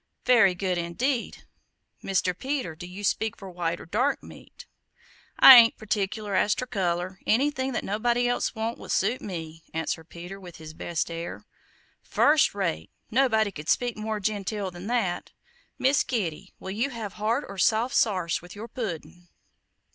"Very good, indeed! Mr. Peter, do you speak for white or dark meat?" "I ain't particler as ter color anything that nobody else wants will suit me," answered Peter with his best air. "First rate! nobody could speak more genteel than that. Miss Kitty, will you have hard or soft sarse with your pudden?"